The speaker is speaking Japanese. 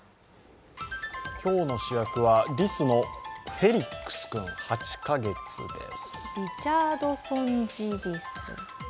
今日の主役はりすのフェリックス君８カ月です。